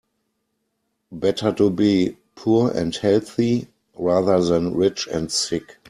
Better to be poor and healthy rather than rich and sick.